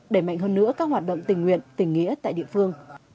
đẩy mạnh hơn nữa các hoạt động tình nguyện tình nghĩa tại địa phương